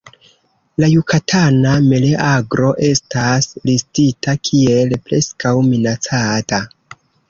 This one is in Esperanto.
La Jukatana meleagro estas listita kiel "Preskaŭ Minacata".